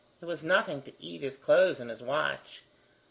It was nothing to eat his clothes and his watch.